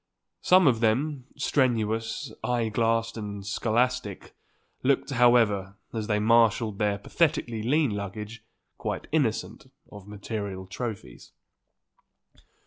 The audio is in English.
Some of them, strenuous, eye glassed and scholastic, looked, however, as they marshalled their pathetically lean luggage, quite innocent of material trophies.